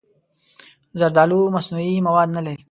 زردالو مصنوعي مواد نه لري.